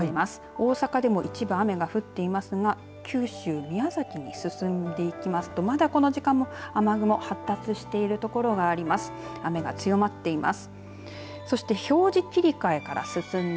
大阪でも一部雨が降っていますが九州、宮崎に進んでいきますと、まだこの時間も雨雲発達している所があります。